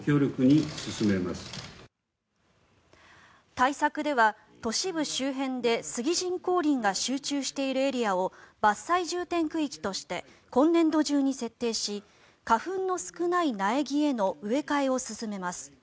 対策では都市部周辺で杉人工林が集中しているエリアを伐採重点区域として今年度中に設定し花粉の少ない苗木への植え替えを進めます。